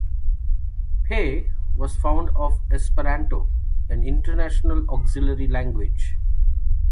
Pei was fond of Esperanto, an international auxiliary language.